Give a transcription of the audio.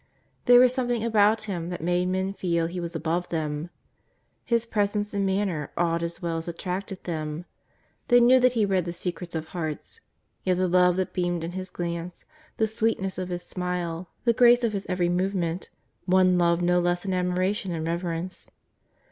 There was something about Him that made men feel He was above them; His presence and manner awed as well as attracted them. They knew that He read the secrets of hearts. Yet the love that beamed in His glance, the sweetnesss of His smile, the grace of His every movement, won love no less than admiration and reverence.